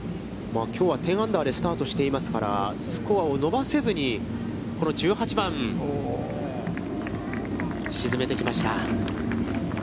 きょうは１０アンダーでスタートしていますから、スコアを伸ばせずにこの１８番。沈めてきました。